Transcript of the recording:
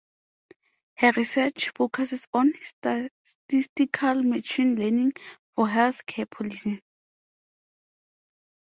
Her research focuses on statistical machine learning for health care policy.